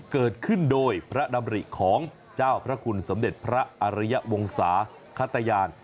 เกิดขึ้นโดยพระดำริของเจ้าพระคุณสมเด็จพระอริยวงศาขตยาน